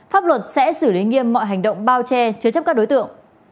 pháp luật sẽ xử lý nghiêm mọi hành động bao che chứa chấp các đối tượng